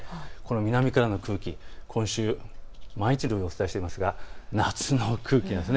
南からの空気、今週、毎日のようにお伝えしていますが夏の空気なんです。